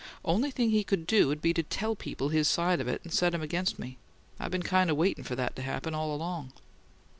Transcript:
Only thing he could do'd be to TELL people his side of it, and set 'em against me. I been kind of waiting for that to happen, all along."